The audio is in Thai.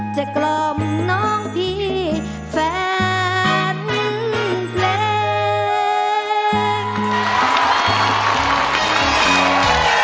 กล่อมน้องพี่แฟนเพลง